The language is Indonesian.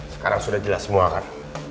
sekarang sudah jelas semua kan